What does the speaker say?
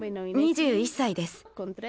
２１歳です。